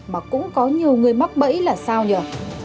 mà cũng có nhiều người mắc bẫy là sao nhờ